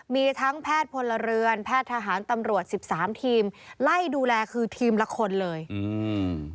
มีทั้งแพทย์พลเรือนแพทย์ทหารตำรวจสิบสามทีมไล่ดูแลคือทีมละคนเลยอืม